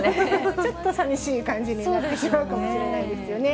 ちょっとさみしい感じになってしまうかもしれないですよね。